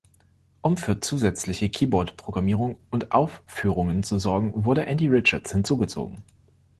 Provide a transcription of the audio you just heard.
Um für zusätzliche Keyboard-Programmierung und Aufführungen zu sorgen, wurde Andy Richards hinzugezogen.